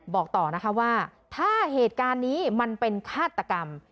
บอกต่อนะคะว่าถ้าเหตุการณ์นี้มันเป็นฆาตกรรม